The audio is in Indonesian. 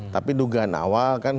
tapi dugaan awal kan